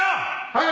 はい！